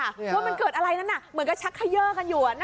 ว่ามันเกิดอะไรนั่นน่ะเหมือนกับชักไฮเยอร์กันอยู่น่ะ